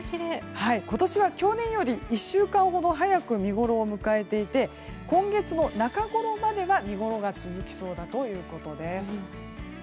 今年は去年より１週間ほど早く見ごろを迎えていて今月の中ごろまでは見ごろが続きそうだということです。